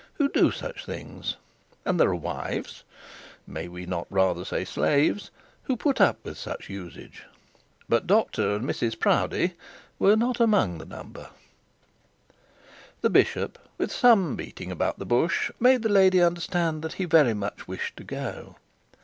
who do such things; and there are wives may we not rather say slaves? who put up with such usage. But Dr and Mrs Proudie were not among the number. The bishop with some beating about the bush, made the lady understand that he very much wished to go.